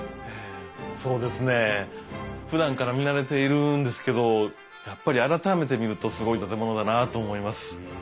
そうですね。ふだんから見慣れているんですけどやっぱり改めて見るとすごい建物だなと思います。